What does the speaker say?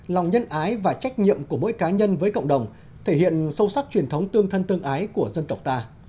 lòng nhân ái và trách nhiệm của mỗi cá nhân với cộng đồng thể hiện sâu sắc truyền thống tương thân tương ái của dân tộc ta